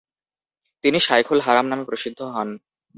তিনি শায়খুল হারাম নামে প্রসিদ্ধ হন।